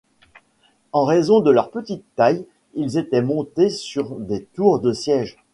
En raison de leur petite taille, ils étaient montés sur des tours de siège.